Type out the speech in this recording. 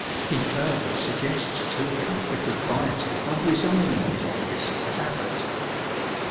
He further suggests to him the propriety of resigning his office as abbot.